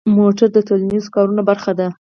موټر د ټولنیزو کارونو برخه ده.